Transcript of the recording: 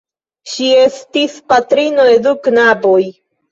Ŝi estis patrino de du knaboj.